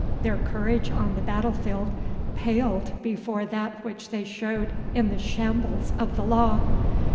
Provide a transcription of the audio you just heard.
Their courage on the battlefield paled before that which they showed in the shambles of the law.